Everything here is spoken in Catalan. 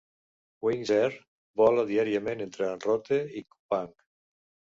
Wings Air vola diàriament entre Rote i Kupang.